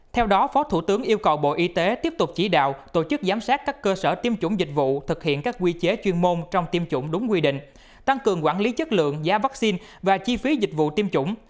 theo đó phó thủ tướng yêu cầu bộ y tế tiếp tục chỉ đạo tổ chức giám sát các cơ sở tiêm chủng dịch vụ thực hiện các quy chế chuyên môn trong tiêm chủng đúng quy định tăng cường quản lý chất lượng giá vaccine và chi phí dịch vụ tiêm chủng